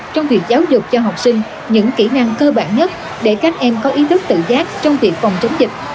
trong việc giáo dục cho học sinh những kỹ năng cơ bản nhất để các em có ý thức tự giác trong việc phòng chống dịch